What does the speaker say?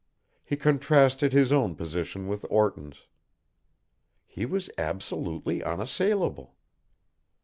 He contrasted his own position with Orton's. He was absolutely unassailable.